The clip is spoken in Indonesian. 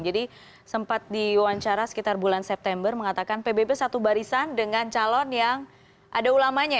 jadi sempat diwawancara sekitar bulan september mengatakan pbb satu barisan dengan calon yang ada ulamanya